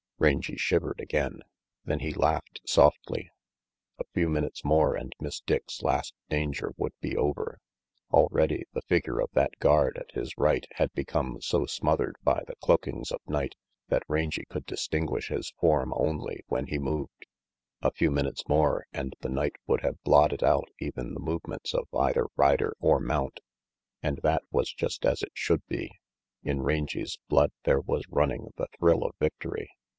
Rangy shivered again; then he laughed softly. RANGY PETE 151 A few minutes more and Miss Dick's last danger would be over. Already the figure of that guard at his right had become so smothered by the cloakings of night that Rangy could distinguish his form only when he moved. A few minutes more and the night would have blotted out even the movements of either rider or mount! And that was just as it should be. In Rangy's blood there was running the thrill of victory.